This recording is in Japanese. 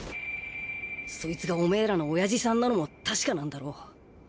ソイツがオメエらの親父さんなのも確かなんだろう。